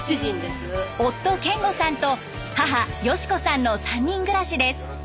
夫健五さんと母芳子さんの３人暮らしです。